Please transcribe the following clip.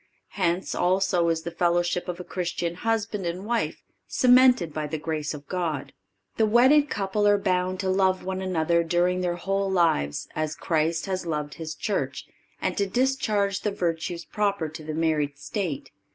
Hence, also, is the fellowship of a Christian husband and wife cemented by the grace of God. The wedded couple are bound to love one another during their whole lives, as Christ has loved His Church, and to discharge the virtues proper to the married state.